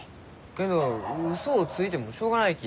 けど嘘をついてもしょうがないき。